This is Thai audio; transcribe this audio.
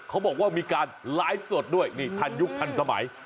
เขาบอกว่ามีการไลฟ์สดด้วยนี่ทันยุคทันสมัย